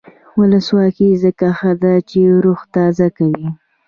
ولسواکي ځکه ښه ده چې روح تازه کوي.